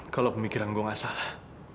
kalau pemikiran gue gak salah